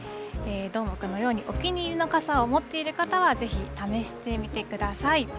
どーもくんのように、お気に入りの傘を持っている方は、ぜひ試してみてください。